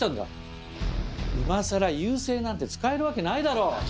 今更「遊星」なんて使えるわけないだろう！